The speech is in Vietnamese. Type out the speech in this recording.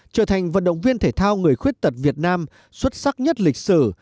trở thành vận động viên thể thao người khuyết tật việt nam xuất sắc nhất lịch sử